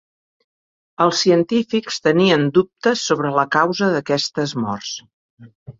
Els científics tenien dubtes sobre la causa d'aquestes morts.